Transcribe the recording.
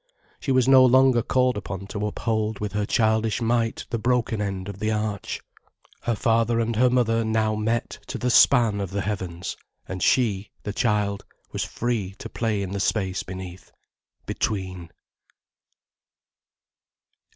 She was no longer called upon to uphold with her childish might the broken end of the arch. Her father and her mother now met to the span of the heavens, and she, the child, was free to play in the space beneath, between.